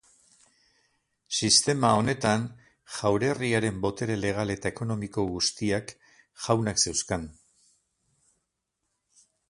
Sistema honetan, jaurerriaren botere legal eta ekonomiko guztiak jaunak zeuzkan.